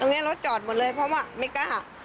ตรงนี้รถจอดหมดเลยเพราะว่าไม่กล้า